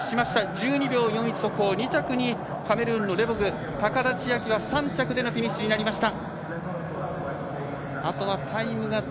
１２秒４１、速報２着にカメルーンのレボグ高田千明は３着でのフィニッシュになりました。